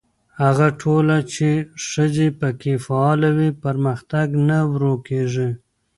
هغه ټولنه چې ښځې پکې فعاله وي، پرمختګ نه ورو کېږي.